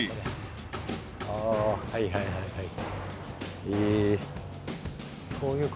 あはいはいはいはい。